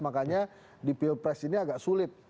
makanya di pilpres ini agak sulit